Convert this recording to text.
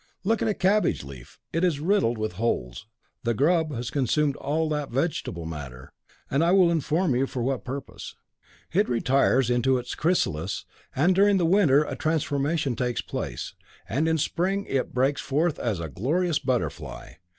Look at a cabbage leaf, it is riddled with holes; the grub has consumed all that vegetable matter, and I will inform you for what purpose. It retires into its chrysalis, and during the winter a transformation takes place, and in spring it breaks forth as a glorious butterfly.